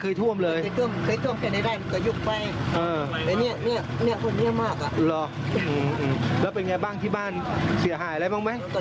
อยู่กับหนุ่ม